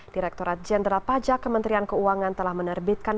direkturat jenderal pajak kementerian keuangan telah menerbitkan